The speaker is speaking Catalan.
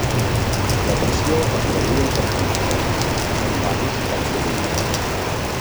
La pressió es gradua per contrapesos, sent varis els cilindres.